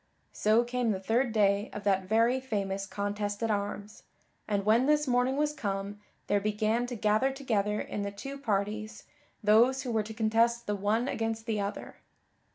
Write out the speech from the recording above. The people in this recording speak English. So came the third day of that very famous contest at arms, and when this morning was come there began to gather together in the two parties those who were to contest the one against the other.